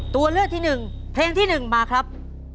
ตัวเลือกที่๑เพลงที่๑มาครับ